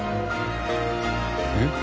えっ？